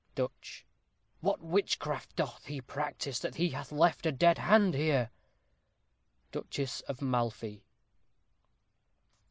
Duch. What witchcraft doth he practise, that he hath left A dead hand here? _Duchess of Malfy.